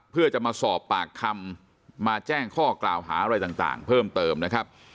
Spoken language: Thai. เพื่อจะมาสอบปากคำมาแจ้งข้อกล่าวหาอะไรต่างเพิ่มเติมนะครับ